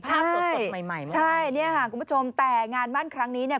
ใช่นี่ค่ะคุณผู้ชมแต่งานมั่นครั้งนี้เนี่ย